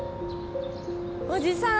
おじさん？